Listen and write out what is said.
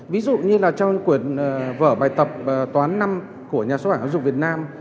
ví dụ như trong cuộn vở bài tập toán năm của nhà xuất bản giáo dục việt nam